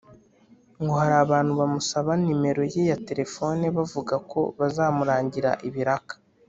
ngo hari abantu bamusaba nimero ye ya telefoni bavuga ko bazamurangira ibiraka